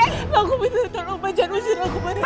mas aku minta tolong jangan rusuk aku mas